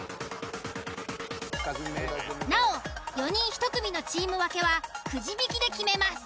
なお４人１組のチーム分けはくじ引きで決めます。